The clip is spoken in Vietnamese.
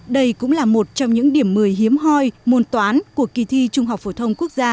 đây cũng là một trong những điểm một mươi hiếm hoi môn toán của kỳ thi trung học phổ thông quốc gia hai nghìn một mươi tám